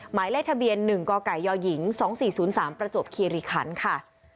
หมายเลขทะเบียน๑กกยหญิง๒๔๐๓ประจวบคีริคันค่ะ